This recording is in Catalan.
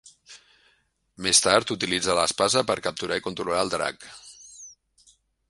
Més tard utilitza l'espasa per capturar i controlar el drac.